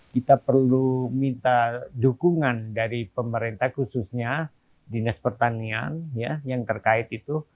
kita perlu minta dukungan dari pemerintah khususnya dinas pertanian yang terkait itu